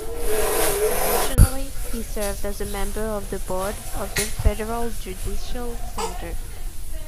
Additionally he served as a member of the Board of the Federal Judicial Center.